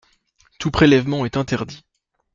Tout prélèvement est interdit.